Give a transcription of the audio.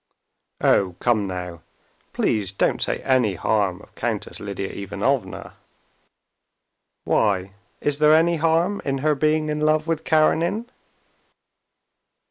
"Oh, come now, please don't say any harm of Countess Lidia Ivanovna." "Why, is there any harm in her being in love with Karenin?"